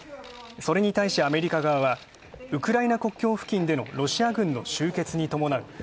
それに対しアメリカ側はウクライナ国境付近でロシア軍の集結にともなう